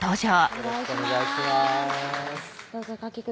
よろしくお願いします